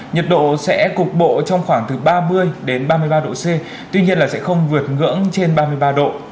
nhiệt độ sẽ cục bộ trong khoảng từ ba mươi ba mươi ba độ c tuy nhiên là sẽ không vượt ngưỡng trên ba mươi ba độ